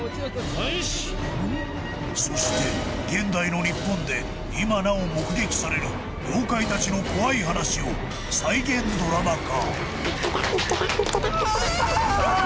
何そして現代の日本で今なお目撃される妖怪たちの怖い話を再現ドラマ化